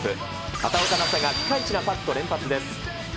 畑岡奈紗がピカイチなパットを連発です。